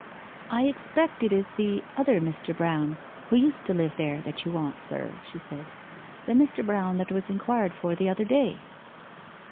'I expect it is the other Mr. Brown, who used to live there, that you want, sir,' she said. 'The Mr. Brown that was inquired for the other day?